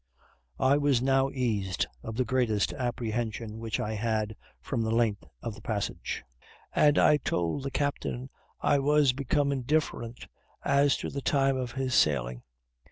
I was now eased of the greatest apprehension which I had from the length of the passage; and I told the captain I was become indifferent as to the time of his sailing.